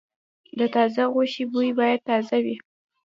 د تازه غوښې بوی باید تازه وي.